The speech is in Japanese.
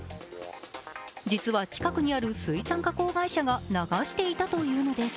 実は、近くにある水産加工会社が流していたというのです。